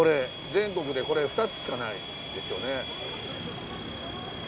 全国でこれ２つしかないですよね。